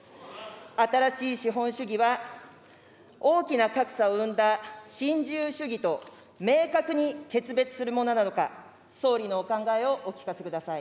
新しい資本主義は、大きな格差を生んだ新自由主義と明確に決別するものなのか、総理のお考えをお聞かせください。